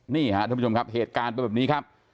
นี่ครับท่านผู้ชมครับเหตุการณ์เป็นแบบนี้ครับ